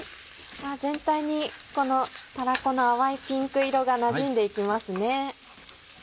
全体にこのたらこの淡いピンク色がなじんでいきますね。